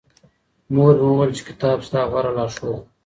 مور مي وويل چي کتاب ستا غوره لارښود دی.